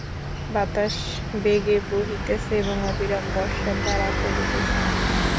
বাতাস বেগে বহিতেছে এবং অবিশ্রাম বর্ষার ধারা পড়িতেছে।